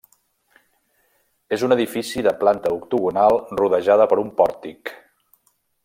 És un edifici de planta octogonal rodejada per un pòrtic.